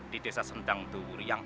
di desa sendangtuur yang